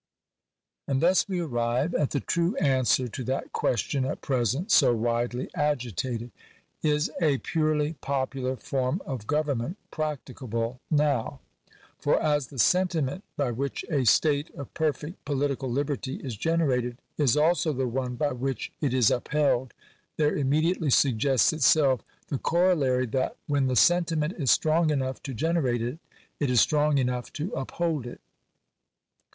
And thus we arrive at the true answer to that question at present so widely agitated — Is a purely popular form of govern ment practicable now? For, as the sentiment by which a R 2 Digitized by VjOOQIC 244 THE CONSTITUTION OF THE STATE. state of perfect political liberty is generated, is also the one by which it is upheld, there immediately suggests itself the corol lary that, when the sentiment is strong enough to generate it, it is strong enough to uphold it.